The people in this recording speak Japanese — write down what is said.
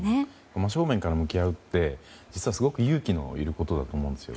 真正面から向き合うって実はすごく勇気のいることだと思うんです。